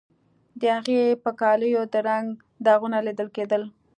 د هغې په کالیو د رنګ داغونه لیدل کیدل